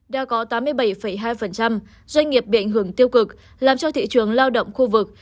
đã có tám mươi bảy hai doanh nghiệp bị ảnh hưởng tiêu cực làm cho thị trường lao động khu vực